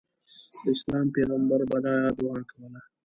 د اسلام پیغمبر به دا دعا کوله.